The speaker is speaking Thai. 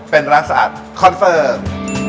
เป็นร้านสะอาดคอนเฟิร์ม